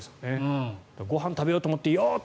ご飯を食べようと思ってよっ！